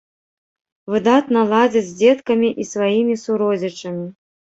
Выдатна ладзіць з дзеткамі і сваімі суродзічамі.